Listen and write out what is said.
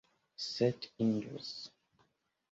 Sed indus!